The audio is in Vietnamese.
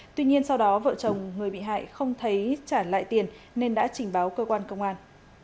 tuy nhiên sau đó vợ chồng người bị hại không thấy trả lại tiền nên đã trình báo cơ quan công an